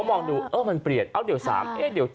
เขามองดูมันเปลี่ยนเดี๋ยว๓เดี๋ยว๗